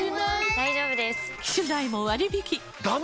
大丈夫です！